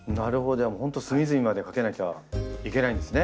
じゃあ本当隅々までかけなきゃいけないんですね。